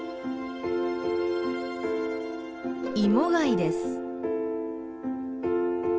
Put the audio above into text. イモガイです。